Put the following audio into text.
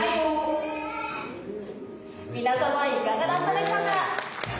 みなさまいかがだったでしょうか。